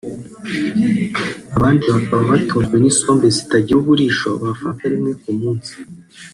abandi bakaba batunzwe n’isombe zitagira uburisho bafata rimwe ku munsi